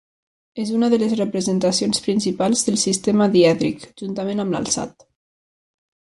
És una de les representacions principals del sistema dièdric, juntament amb l'alçat.